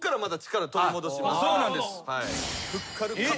そうなんです。